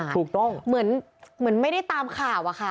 ถูกต้องเหมือนไม่ได้ตามข่าวอะค่ะ